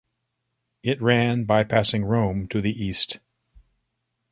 It ran bypassing Rome to the east.